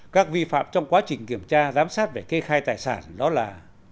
các vi phạm trong quá trình kiểm tra giám sát về kê khai tài sản đó là